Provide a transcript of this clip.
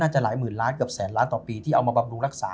น่าจะหลายหมื่นละเกือบแสนละต่อปีที่เอามาปรับรู้